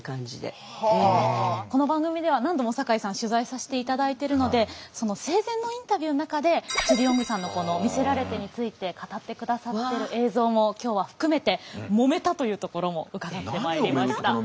この番組では何度も酒井さん取材させていただいてるのでその生前のインタビューの中でジュディ・オングさんのこの「魅せられて」について語ってくださってる映像も今日は含めてもめたというところも伺ってまいりました。